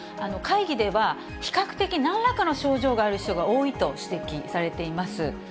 会議では、比較的、なんらかの症状がある人が多いと指摘されています。